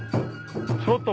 ちょっと